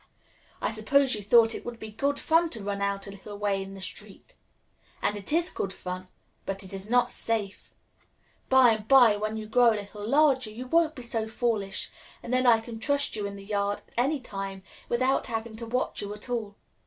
I suppose you thought it would be good fun to run out a little way in the street. And it is good fun; but it is not safe. By and by, when you grow a little larger, you won't be so foolish, and then I can trust you in the yard at any time without having to watch you at all.